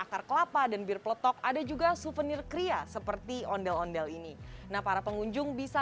akar kelapa dan bir peletok ada juga souvenir kria seperti ondel ondel ini nah para pengunjung bisa